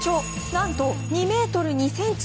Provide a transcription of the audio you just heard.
何と２ｍ２ｃｍ。